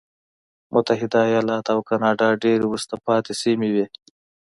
متحده ایالات او کاناډا ډېرې وروسته پاتې سیمې وې.